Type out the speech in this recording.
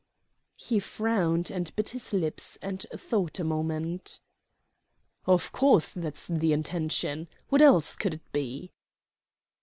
He frowned and bit his lips and thought a moment. "Of course that's the intention; what else could it be?"